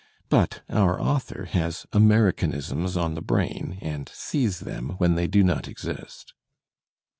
But "our author" has "Americanisms" on the brain and sees them when they do not exist.